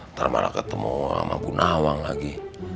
ntar malah ketemu sama bu nawang lagi